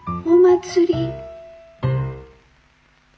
「お祭り」。